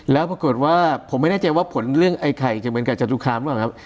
แล้วปรากฏว่าผมไม่แน่ใจว่าผลเรื่องไอ้ไข่จะเหมือนกับจตุคามหรือเปล่าครับ